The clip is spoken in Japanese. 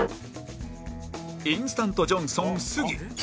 インスタントジョンソンスギ。